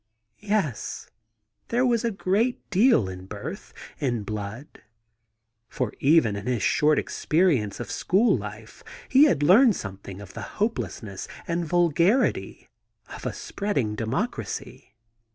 Yes, there was a great deal in birth, in blood! For even in his short experience of school life he had learned something of the hopelessness and vulgarity of a spreading democracy.